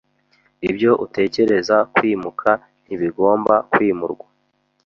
Ibyo utekereza kwimuka ntibigomba kwimurwa.